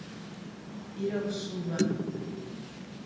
Irauçuba